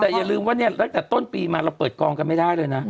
แต่อย่าลืมว่าต้นปีมาเราเปิดกองกันไม่ได้เลยนะ